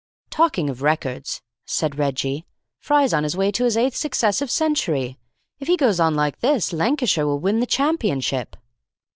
"Talking of records," said Reggie, "Fry's on his way to his eighth successive century. If he goes on like this, Lancashire will win the championship."